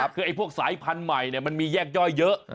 คือพวกสายพันธุ์ใหม่มันมีแยกย่อยเยอะ